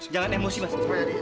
jangan emosi mas